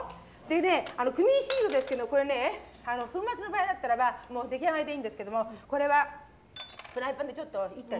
でねクミンシードですけどこれね粉末の場合だったらばもう出来上がりでいいんですけどもこれはフライパンでちょっと煎ってあります。